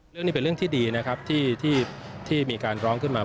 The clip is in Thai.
เรื่องนี้เป็นเรื่องที่ดีนะครับที่มีการร้องขึ้นมา